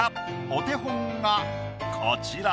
お手本がこちら。